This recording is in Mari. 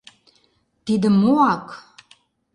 Тиде моак!